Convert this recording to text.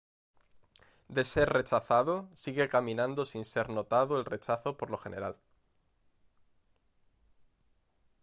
De ser rechazado, sigue caminando sin ser notado el rechazo por lo general.